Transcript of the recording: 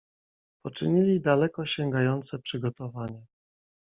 "Poczynili daleko sięgające przygotowania."